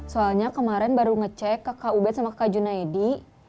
soalnya kemarin baru ngecek kakak ubed sama kakak junaidi